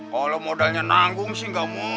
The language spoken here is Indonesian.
kalo modalnya nanggung sih ga usah ngelarang